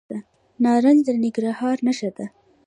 نارنج د ننګرهار نښه ده.